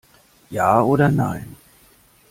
Ja oder nein?